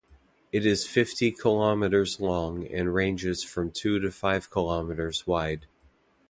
It is fifty kilometres long and ranges from two to five kilometres wide.